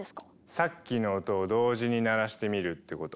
さっきの音を同時に鳴らしてみるってこと。